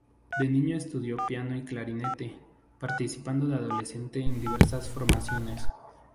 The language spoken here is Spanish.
De niño estudió piano y clarinete, participando de adolescente en diversas formaciones.